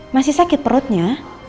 masih sakit perutnya